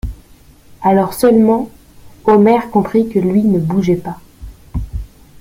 Alors seulement Omer comprit que lui ne bougeait pas.